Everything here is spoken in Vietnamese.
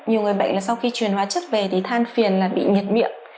nhiều người bệnh là sau khi truyền hóa chất về thì than phiền là bị nhiệt miệng